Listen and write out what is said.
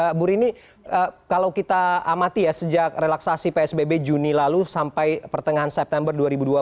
ibu rini kalau kita amati ya sejak relaksasi psbb juni lalu sampai pertengahan september dua ribu dua puluh